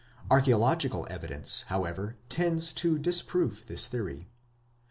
Archaeological evidence, however, tends to disprove this theory.